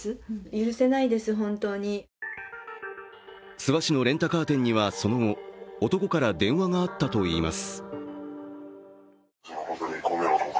諏訪市のレンタカー店にはその後、男から電話があったといいます。